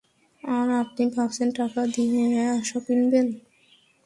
আর আপনি ভাবছেন, টাকা দিয়ে আশা কিনবেন?